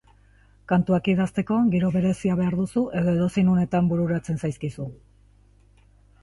Kantuak idazteko giro berezia behar duzu edo edozein unetan bururatzen zaizkizu?